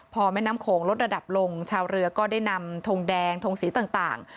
พอแม่น้ำโขงลดระดับลงชาวเรือก็ได้นำทงแดงทงสีต่าง